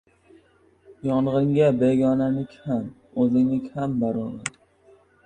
• Yong‘inga begonaniki ham, o‘zingniki ham barobar.